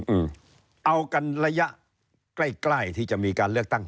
อืมเอากันระยะใกล้ใกล้ที่จะมีการเลือกตั้ง